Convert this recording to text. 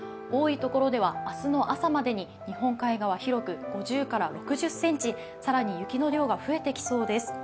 多いところでは明日の朝までに日本海側広く５０６０ｃｍ、更に雪の量が増えてきそうです。